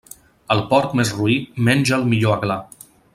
El porc més roí menja el millor aglà.